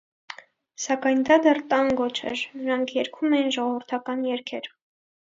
Սակայն դա դեռ տանգո չէր, նրանք երգում էին ժողովրդական երգեր։